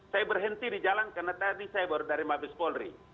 saya berhenti di jalan karena tadi saya baru dari mabes polri